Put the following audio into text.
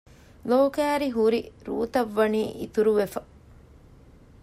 ލޯކައިރީ ހުރި ރޫތައް ވަނީ އިތުރު ވެފަ